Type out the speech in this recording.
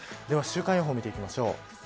では、週間予報を見ていきます。